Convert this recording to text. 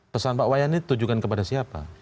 pesan pak wayani tujukan kepada siapa